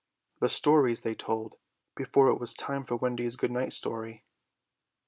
The stories they told, before it was time for Wendy's good night story!